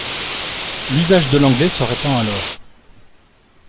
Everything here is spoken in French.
L'usage de l'anglais se répand alors.